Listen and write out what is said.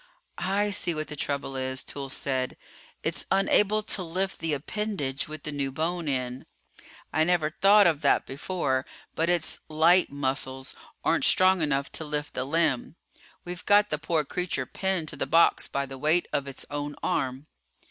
"I see what the trouble is," Toolls said. "It's unable to lift the appendage with the new bone in. I never thought of that before but its 'light' muscles aren't strong enough to lift the limb. We've got the poor creature pinned to the box by the weight of its own arm."